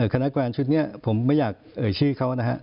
คณับการชุดนี้ผมไม่อยากเอ่ยชื่อเขานะครับ